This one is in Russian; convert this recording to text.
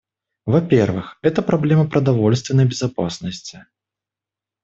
Во-первых, это проблема продовольственной безопасности.